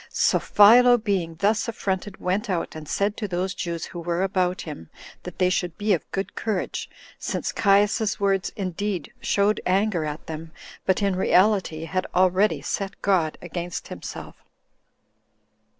So Philo being thus affronted, went out, and said to those Jews who were about him, that they should be of good courage, since Caius's words indeed showed anger at them, but in reality had already set God against himself.